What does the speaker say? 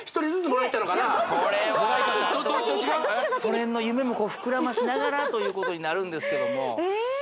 そのへんの夢もふくらましながらということになるんですけどもええっ